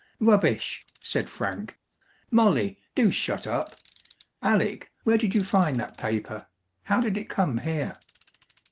"Rubbish!" said Frank. "Molly, do shut up. Alec, where did you find that paper? How did it come here?"